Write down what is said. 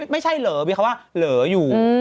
ไม่ใช่เหรอมีคำว่าเหลืออยู่